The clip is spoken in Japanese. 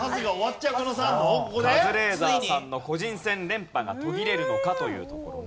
カズレーザーさんの個人戦連覇が途切れるのかというところです。